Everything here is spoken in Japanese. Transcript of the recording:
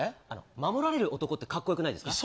守られる男ってかっこよくないですか。